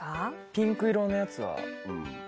ピンク色のやつは。